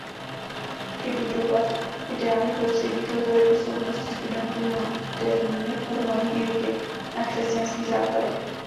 Vybudovat ideální prostředí k rozvoji osobnosti studentů moderními formami výuky na křesťanských základech.